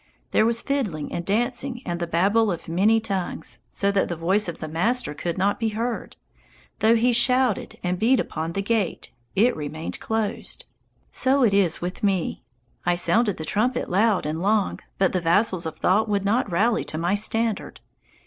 There was fiddling and dancing and the babble of many tongues, so that the voice of the master could not be heard. Though he shouted and beat upon the gate, it remained closed. So it was with me. I sounded the trumpet loud and long; but the vassals of thought would not rally to my standard.